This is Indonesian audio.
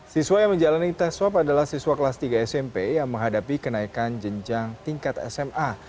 siswa yang menjalani tes swab adalah siswa kelas tiga smp yang menghadapi kenaikan jenjang tingkat sma